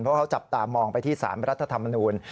เพราะเขาจับตามองไปที่สารรัฐธรรมนูล